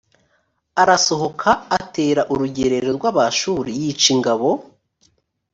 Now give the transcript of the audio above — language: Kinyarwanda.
arasohoka atera urugerero rw abashuri yica ingabo